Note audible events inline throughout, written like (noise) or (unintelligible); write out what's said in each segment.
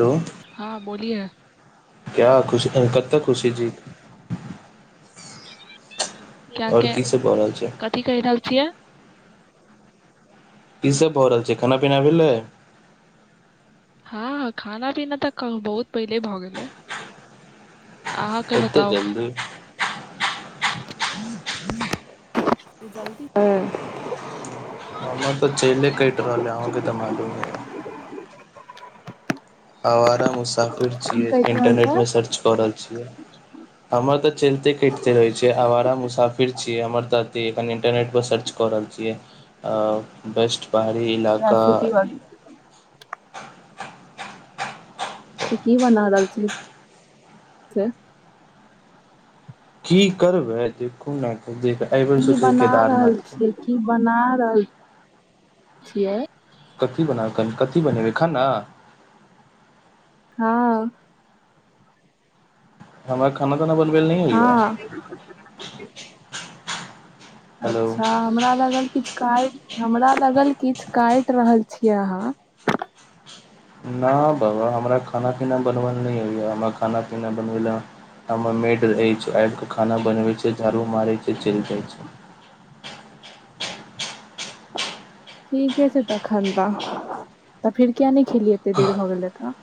Hello हाँ बोलिए क्या खुशी कत खुशी छी (inaudible) आओर की सब भ रहल छै की कहि रहल छियै की सब भऽ रहल छै खाना पीना भेलै हँ खाना पीना तऽ बहुत पहिले भऽ गेलै अहाँके एते बताउ जल्दी जल्द ह (inaudible) हमर तऽ चेले कटि रहल है अहूँके तऽ मालूमे अय आवारा मुसाफ (unintelligible) की छियै कहि रहल छै इंटरनेट में सर्च कर रहल छियै हमर तऽ चलिते कटिते रहै छै आवारा मुसाफिर छीयै हमर दती (unintelligible) एखन इंटरनेट पर सर्च कर रहल छियै अ बेस्ट पहाड़ी इलाका रेसिपी वगैरह। तऽ की बना दालचिली (unintelligible) (inaudible) की करबै देखू ने एहिबेर की सोच बना रहल केदारनाथ के छियै की बना रहल छियै कथी बनाउ कथी बनेबै खाना हँ हमरा खाना ताना बलबैल नहि होइए हँ हेलो अच्छा हमरा लगल किछ काइट हमरा लगल किछ काइट रहल छीयै अहां ना बाबा हमरा खाना पीना बनबल नहि होइए हमरा खाना पीना बनबै ल (unintelligible) हमर मेड रहै छै आबि के खाना बनवै छै झाड़ू मारै छै चलि जाय छै ठीके छै तखन तऽ तखनि फेर किया नहि खेलियै एते देर भऽ गेलै तऽ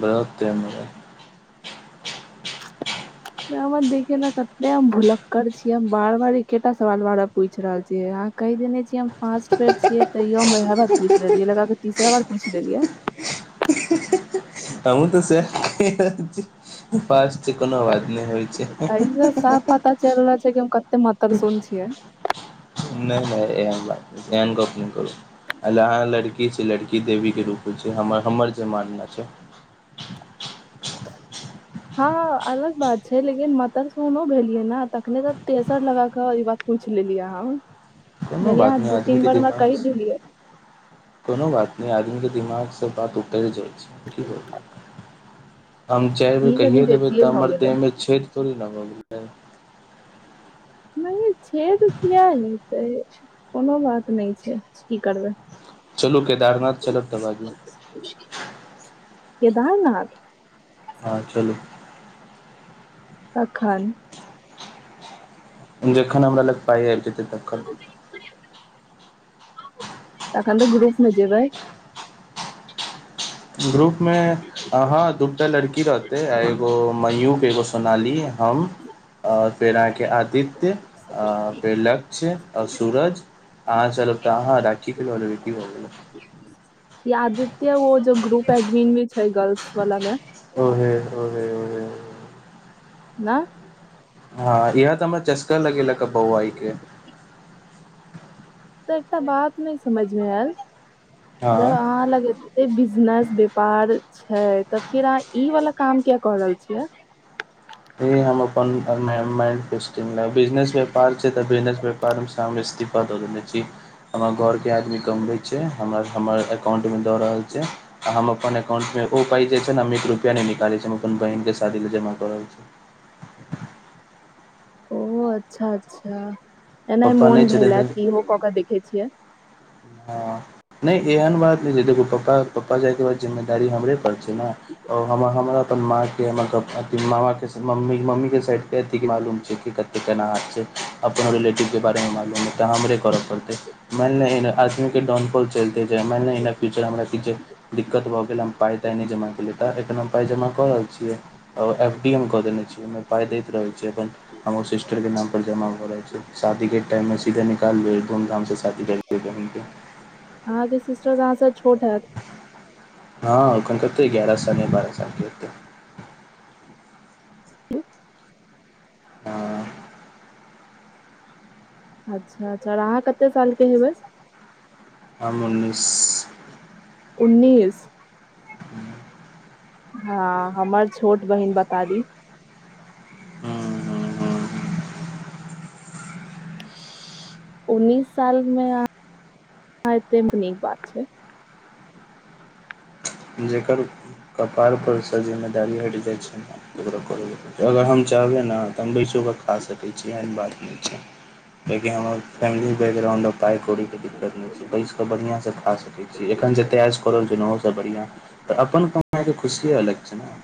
व्रत अय हमरा (unintelligible) देखीयौ न कते हम भुलक्कर छीयै हम बार बार एकेटा सवाल बार पूछ रहल छीयै यार कहि देने छियै हम फास्ट बेर छियै तैयो हम वएह बार पूछि लेलियै अइ लगाके तीसरा बार पूछि लेलियै हमू तऽ सएह कहि रहल छीयै उपास छै कोनो बात नहि होइ एहि छै (unintelligible) त सुन छियै नहि नहि एहन गप नहि कहु अहाँ लड़की छी लड़की देवी के रूप होय छै हमर जे मानना छै (inaudible) (unintelligible) हँ अलग बात छै लेकिन मतसुन्नो भेलियै ने तखने तऽ तेसर लगाक बात पूछ लेलियै कोनो बात हम नहि दू आदमी तीन के बार हमरा कहि दिमाग दियै कोनो बात नहि आदमीके दिमागसँ बात उतरि जाइ हम चारि बेर ई कनि कहि देबै बेसिये तऽ भऽ हमर गेलै देह मे छे तोरी लब गेलै (unintelligible) नहि छेद किया हेतै कोनो बात नहि छै की करबै चलू केदारनाथ चलबऽ तऽ बाजू केदारनाथ अहाँ चलू अखन जेखन हमरा लग पाइ आबि जेतै तखन। तखन तऽ ग्रुप मे जेबै। ग्रुप मे आ हॅं दू टा लड़की रहत। आ इ एगो मयू के एगो सोनाली हम आओर फेर अहाँके आदित्य, आ फेर लक्ष्य, आ सूरज अहाँ चलब तऽ अहाँ राखी के लऽ लेबै की भ गेलै। इ आदित्य वो जे ग्रुप एडमिन मे छै गर्ल्स बला मे, ओहे ओहे ओहे नहि, हँ इहेए तऽ हमरा चस्का लगेलकए बौआइ के। तऽ एकटा बात नहि समझ मे आयल जब हँ अहाँ लग ई बिजनेस व्यापार छै, तऽ फिर अहाँ ई वाला काम किया क रहल छियै? इ हम अपन माइंड - माइंड से बिजनेस व्यापार छै तऽ बिजनेस व्यापार से हम इस्तीफा दऽ देने छी। हमर घर के आदमी कमबैय छै हमरा हमर अकाउंट मे दऽ रहल छै। आ हम अपन अकाउंट मे ओ पाइ जे छै ने हम एक रुपया नहि निकालै छी हम अपन बहिनक के शादी लए जमा क रहल छी। ओ अच्छा - अच्छा एनाहि पप्पा मोन नहि छथिन भेल हें तऽ त इहो क‌ऽ के देखै छियै। हँ नहि एहन बात नहि छै देखू पापा पप्पा जायके बाद जिम्मेदारी हमरे पर छै ने। हम हमर अपन माँ के हमर पप्पा के मामा के, से मम्मी- मम्मी के साइड क अथी के मालूम छै कि कत केना हइ छै अपनो रिलेटिव के बारेमे मालूम हइ तऽ हमरे करऽ पड़तै। मानि लही ने असली के डॉनपोल चलिते जे मानि लही ने फ्यूचर हमर दिक्कत भऽ गेल हम पाइ ताइ नहि जमा केलियै तऽ एखन हम पाइ जमा कऽ रहल छियै। एफ डी एम कऽ देने छी हम ओ पाय दैत रहै छै अपन हमर सिस्टर के नाम पर जमा भ रहल छै। शादी के टाइम मे सीधे निकाल लेब धूमधाम से शादी कर अहाँ के सिस्टर त अहाँं छोट हेएत? हँ ओकन कते ग्यारह साल या बारह सालके होतै। ह हँ अच्छा अच्छा आर अहाँ कते साल के हेबै? हम उन्नीस उन्नीस? ह हँ हमर छोट बहिन बतारी। हॅं, हॅं, हॅं, हॅं, उन्नीस साल मे (unintelligible) नीक बात छै। जकर कपार पर सँ जिम्मेदारी हटि जाइ छै। अगर हम चाहबै ने तऽ हम बैसो के खा सकै छी एहन बात नहि छै लेकिन हमर फैमिली बैकग्राउंड पाय कौड़ी के दिक्कत नै छै बैस क बढ़ियां से खा सकै छी एखन जते ऐस क रहल छी न ओहो से बढ़ियां तऽ अपन कमाई के खुशिये अलग छै ने।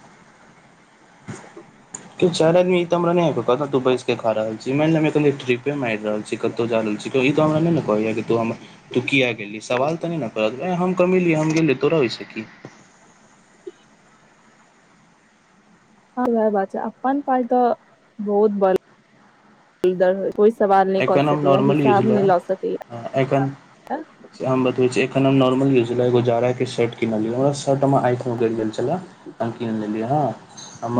तीन चार आदमी त हमरा नहि कतऽ तू बैस के खा रहल छी मान लिय हम कनी ट्रीपे मारि रहल छी कतहु जा रहल छी कोइ ई तऽ हमरा नहि ने कहैये कि तू हमर तू किया गेलही सवाल तऽ नहि ने करत, एंह हम कमेलियै हम गेलियै तोरा ओहिसे की। हँ वएह बात छै अपन पाइ तऽ बहुत बल होइ कोई सवाल नइ क एखन हम सकैया नॉर्मल यूज हिसाब लए नइ ल सकैया। एखन हम बतबे छी, एखन हम नॉर्मल यूज ला एगो जाड़ा के शर्ट किनलिए बस छठमा आठमा गि गेल छले त कीन लेलियै हँ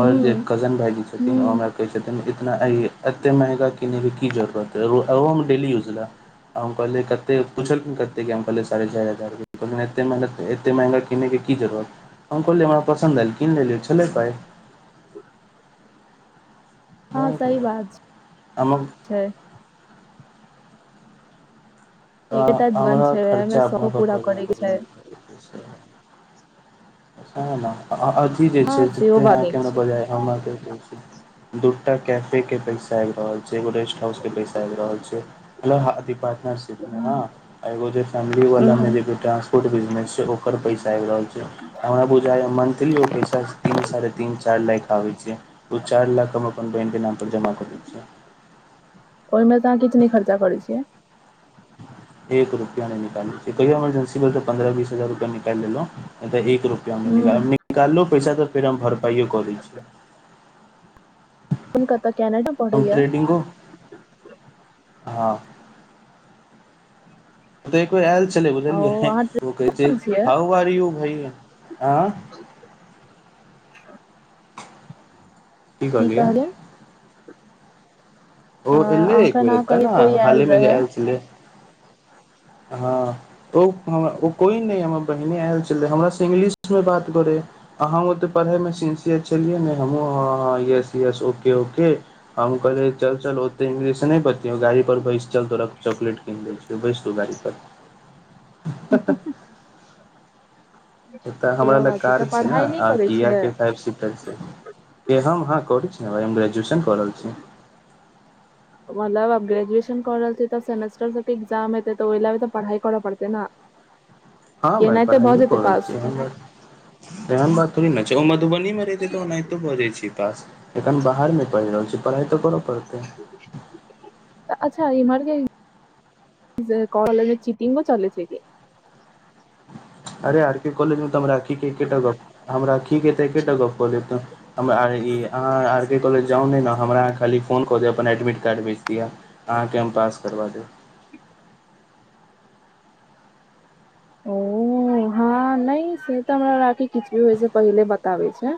हूं जे कजन भायजी छथिन ओ हमरा हूं कहे छथिन इतना एते महंगा किने के की जरूुरत ओहो में डेलीयुज ले हम कहले कते पुछलखिन कते हम कहले साढ़े चार हजार ए एते मंगा, एतै मंहगा किनै के की जरुरत हम कहलियै हमरा पसन्द आयल कीन लेलिय छलै पाइ ठ हँ सही बात छै, हमर छय। आ एकटा जीवन हमरा छै ओहिमे खर्चा अपना शौखो पर पूरा करि नै करे के करि छै ने न अ, अ ज की जे हँ छै सेहो जते बात अहाँके नीक हमरा छै बजए हमरा दूटा कैफे के पैसा आइब रहल छै, एगो रेस्ट हाउस के पैसा आइब रहल छै। हेलो आ अथी पार्टनरशिप में - हाॅं - आ एगो जे फैमिली बला में हूं जे दू टा फुड बिजनेस छैय, ओकर पैसा आयब रहल छैय। हमरा बुझाय य मंथलिओ पैसा तीन साढ़े तीन चाइर लाइक आबैय छैय। उ चाइर लाख हम अपन बहिन के नाम पर जमा क दै छिअ। ओय में त अहाँ किछ नैय खर्चा करै छियै। एक रुपया नै निकालै छियै, कहिओ मरजेंसी भेल त पन्द्रह बीस हजार रुपया निकायल लेलों। नै त एक रु हूं निकाललों पैसा त फेर हम भरपाइयो क दै छियै। (inaudible) अपन कतअ कैनाडो मेँ पढ़ै या (inaudible) हॅं त एक बेर आयल छलै आ बुझलियै, हें, अहाँ ओ कहै छै ट्रेन छियै हाउ आर यू भैंया आं कि कहलियै? ओ अ एलै एक अखन बेर अहाँ एत्तअ कही न, कोई हालेमें जे रहे आयल छलै। हँ ओ हं उ कोय नैय हमर बहिने आयल छलै हमरा स इंगलिस्ट में बात करैय। आ हम ओते पढ़ैय में सिंसियस छलियै ने हमहूँ हँ -हँ यस -यस ओके -ओके हम कहलियै चल -चल ओते इंग्लिश से नैय बतियाउ गाड़ी पर बैस चल तोरा चॉकलेट कीन दै छियौ बैस तू गाड़ी सर हूॅं- हूॅं -हूॅं- हूॅं एतऽ हमरा सेहो लग बात कार तऽ छै न पढ़ाइ नहि आ करै घिया छियै के फाइव सी। के हम हँ करै छी न भाय हम ग्रेजुएशन कऽ रहल छी। मतलब अब ग्रेजुएशन कऽ रहल छीयै तऽ सेमेस्टर सबके एग्जाम हतैऽ तऽ ओइ लए तऽ पढ़ाइ करऽ पड़तै न। हँ भाइ पढ़ाइयो कऽ रहल पास छीयै एहेन बात एहेन बात थोड़ी ने। ओ मधुबनी मे रहिते तऽ ओनाहितो भजाय छै पास एखन बाहर मे पढ़ि रहल छी। पढ़ाइ तऽ करऽ पड़तै। तऽ अच्छा इम्हरके। जे काॅलेज मे चीटिंगो चलै छै कि। अरे आर के कॉलज मे तऽ हम राखी केे एकेटा गप हम रखी के तऽ एकेटा गप कहलियए न। हम अहाँ आर, ई अहाँ आर के कॉलेज जाउ ने न हमरा खाली फोन कऽ देब अपन एडमिट कार्ड भेज दिअ। अहाँके हम पास करबा देब। ओ हाँ। हँ नई से तऽ हमरा राखि किछ भी होय पहिले बताबे छै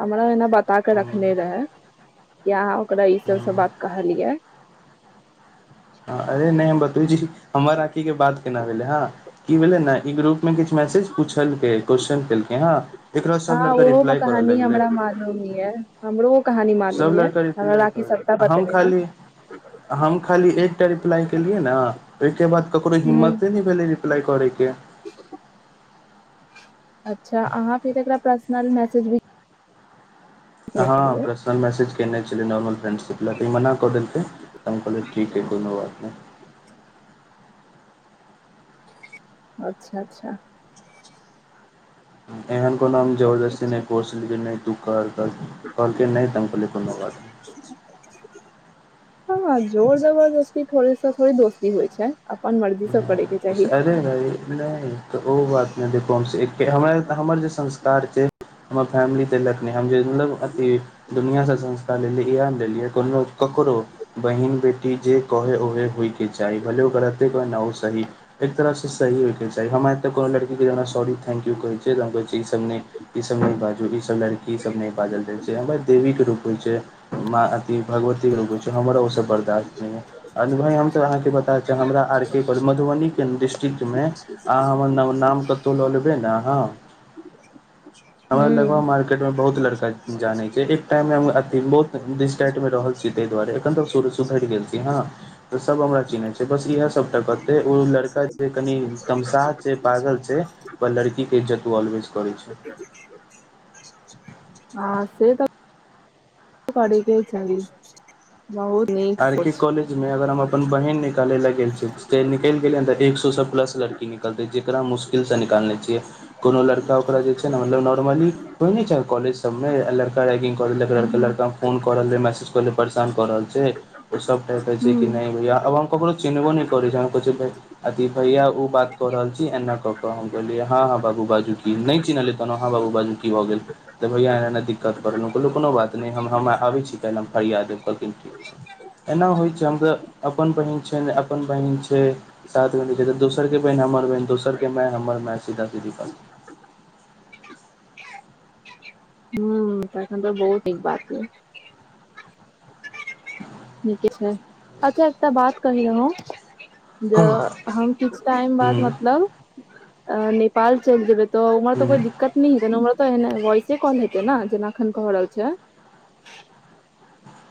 हमरा एना। बता के देब रखने रहेए कि अहाँ ओकरा ई सब स बात कहलियै। अरे नहि हम बतै छी। हमर आखी के बात केना भेले। ह क भेले। ने ई ग्रुप मे किछु मैसेज पूछलक क्वेश्चन केलके ह एकरा सब लड़का रिप्लाई करऽ लगले। मालूमी हिये, हमरो व कहानी म सब लड़का रिप्लाई कलके हम छै खाली हम खाली एकटा रिप्लाई केलियै ने ओहि के बाद ककरो हूँ हिम्मते ने रिप्लाइ करैके अच्छा अहाँ फेर एकरा पर्सनल मैसेज भी हँ केलियै पर्सनल मैसेज केने छलै। नॉर्मल फ्रेंडशिप लए तऽ ई मना कऽ देलकै। त हम कहिलाये ठीक है, कोनो बात नहि। अच्छा अच्छा एहन कोनोाम ठीक जबरदस्ती छै नहि को कि नहि तू कर-कर, करके नहि त हम कहलै कोनो बात हँ जोर जबरदस्ती थोड़े सा थोड़े दोस्ती होइ छै। अपन मर्जीसँ करैके चाही। (inaudible) नहि तऽ ओहो बात नहि देखू, हम हमर जे संस्कार छै। हमर फैमिली त (unintelligible) लगनी। हम जे मतलब अति। दुनआसँ संस्कार लेलियै। इहन लेलियै कोनो ककरो बहिन बेटी जे कहे ओहे होइके चाही भलो गलते नओ सही एक तरफ से सही होयके चाही हमरा ए कोनो लड़की के जे सॉरी थंकू कहै छै कह ई सब नहि ईसभ नहि बाजू ईसभ लड़कीसभ नहि बाजल जाइ छै, हम देवीे रूप होइ छै। मां अथ भगवतीे रूप हो छै हमरा ओहिसँ बर्दाश्त नहि य भाय हम तऽ अहाँके बता च हमरा र के कह मधुबनी के डिस्ट्रिक्ट मे अहाँ हमर न नाम कतो ले लेबे न अहां, अहा (unintelligible) मे बहुत लड़का जानै छै, एक टाइम मे हम अ (unintelligible) बहुटाइट रहल छी ताहि दुआरे एखन सुधरि गेल छी हां त सब हमरा चिन्है छै, बस इह सबटा कहते ओ लड़का जे कनि तमशाह छै, पागल छै। पर लड़की के जतू ऑलवेज करै छै। हँ से तऽ (unintelligible) कर बहुत नीक आर के सोच कॉलेज मे अगर हम अपन बहिन निकाले लए गेल छी। जे निकलि गेलै तऽ एक सएसँ प्लस लड़की निकलतै जेकरा मुश्किलसँ निकालने छियै। कोनो लड़का ओकरा जे छै ने मतलब नॉर्मली होइ नहि छै कॉेजमे लड़का रैगिंग क लड़का फोन कऽ रहलै, मैसेज करऽ रहल, परेशान कऽ रहल छै। ओ सब कहत छै, हूँ कि नहि भैया अ हम ककरो चिन्हबो नै कर छै कह अथी भैया ओ बात क रहल छी, एना कऽ कऽ, हम कहलिय। हँ हँ बाजू -बाजू की नहि कहलहु हँ बाबू बाजू की भऽ गेल? तऽ भैया एना -एना दिक्कत भ गैल, कहलहुँ कोनो बात नहि हम आबैत छी काल्हि हम फरिया देब, कहलखिन ठीक छै। एना होइत छै, हम त अपन बहिन छै ने अपन बहिन छै। साथ ग न दोसर के बहन हमर बहन, दोसर के माय हमर माय सीधा सीधी बात। हू तन (unintelligible) तऽ बहुतीक बात छै नीके छै, अच्छा एकटा बात कहि रहौ जे हम किछु टाइम हूँ बाद मतलब नेपाल चलि जेबै तऽ उमहर तऽ हूँ कोई दिक्कत नि हेते हमरा तो एने वॉइसे कॉल हेते ने जेना एखन कह रहल छै।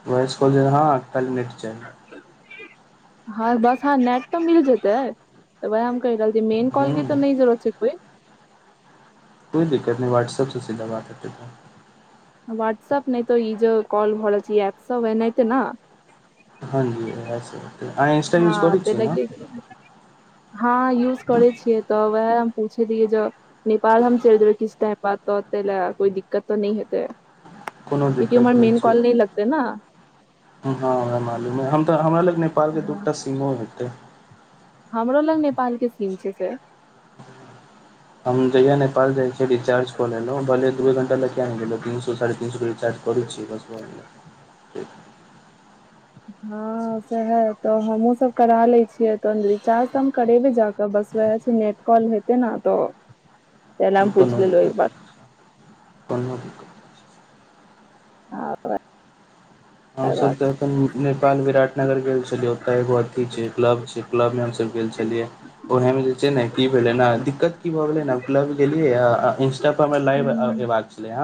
वॉइस कॉल जे हँ कालहि नेट चाहि। हँ बस हँ नेट तऽ मिल जेतै त वए कहि रहल छै मेन कॉल हूँ के त नहि जरूत छै कोइ। कोइ दिकत नहि व्हाट्सऐपसँ सीधा बात हेतै त व्हाट्सऐप नहि तऽ ई जे कॉल भ रहल छै ए ऐप सब पर एनाहिते ने। हँ जी इएह से हेतै अहाँ इंस्टा यूज हँ करैत ताहि छियै ने? लागी हँ यूज करै छियै तऽ वैह हम पूछैत रहियै जे नेपाल हम चलि जेबै किसी टाइम तै ले कोइ दिकत ते नै हेतै। कोनो कियाकि दिक्कत हमर नहि मेन छै कॉल नै लगतै न। हँ हमरा मालूम अछि, हमरा लग नेपालके दूटा सीमो हेतै। हमरो लग नेपाल के सीम छै से। हम जहिया नेपाल जाइ छी रिचार्ज क लेलहुं भले ही दूए घंटा किया ने गेलो तीन सो साढ़े तीन सौ के रिचार्ज करै छियै बस भ गेलै। (inaudible) ह सएह तऽ हमहुँ सब करा लै छियै तखन रिचार्ज तऽ हम करेबे जाके बस वैह छै नेट कॉल हेतै ने तऽ तै लए ई हम कोनो पूछि लेलहुँ एक दिकत बार नै छै, कोनो दिकत नै। आब। (inaudible) हम सब ते एखन नेपाल विराट नगर गेल छलियै ओतऽ एगो अथि छै क्लब छै। क्लबमे हमसब गेल छलियै, ओहे मे जे छै ने की भेलै ने दिकत की भऽ गेलै ने क्लब गेलियैये इंस्टा पर हमरा छै लाइव हूँ एबाक छले हन